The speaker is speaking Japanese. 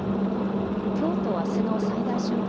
きょうとあすの最大瞬間